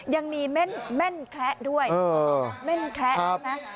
ยังมีแม่นแคละด้วยแม่นแคละใช่ไหม